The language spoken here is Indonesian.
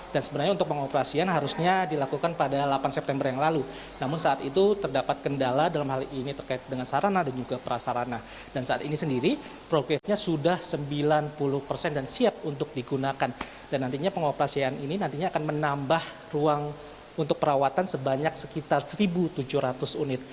dan nantinya pengoperasian ini nantinya akan menambah ruang untuk perawatan sebanyak sekitar satu tujuh ratus unit